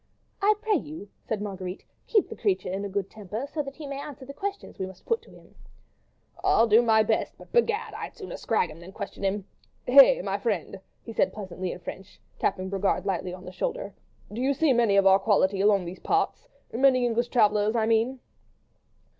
"I pray you," said Marguerite, "keep the creature in a good temper, so that he may answer the questions we must put to him." "I'll do my best, but, begad! I'd sooner scrag him than question him. Hey! my friend," he said pleasantly in French, and tapping Brogard lightly on the shoulder, "do you see many of our quality along these parts? Many English travellers, I mean?"